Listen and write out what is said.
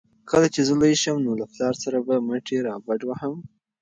کله چې زه لوی شم نو له پلار سره به مټې رابډوهم.